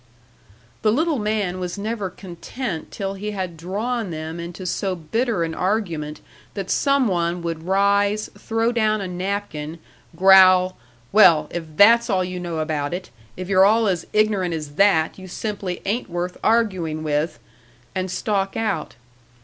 The little man was never content till he had drawn them into so bitter an argument that some one would rise, throw down a napkin, growl, "Well, if that's all you know about it if you're all as ignorant as that, you simply ain't worth arguing with," and stalk out.